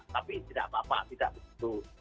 tapi tidak apa apa tidak begitu